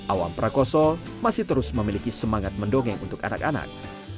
awam prakoso masih terus memiliki semangat mendongeng untuk anak anak